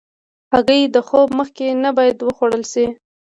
هګۍ د خوب مخکې نه باید وخوړل شي.